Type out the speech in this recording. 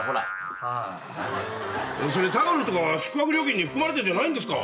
それタオルとかは宿泊料金に含まれてんじゃないんですか？